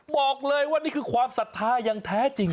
บอกเลยว่านี่คือความศรัทธาอย่างแท้จริง